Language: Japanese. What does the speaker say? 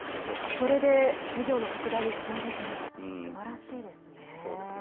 それで事業の拡大につなげてるってすばらしいですね。